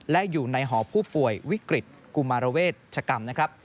และอยู่ในหอผู้ป่วยวิกฤตกุมารเวชกรรมนะครับ